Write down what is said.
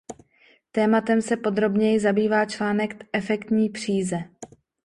Tématem se podrobněji zabývá článek Efektní příze.